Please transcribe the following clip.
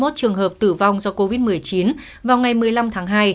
hai mươi một trường hợp tử vong do covid một mươi chín vào ngày một mươi năm tháng hai